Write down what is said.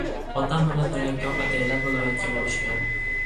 Otam bilan raykom ataylab viloyatga borishgan.